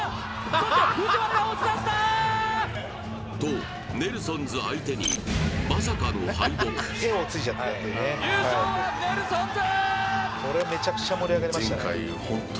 そして藤原を押し出したとネルソンズ相手にまさかの敗北優勝はネルソンズ！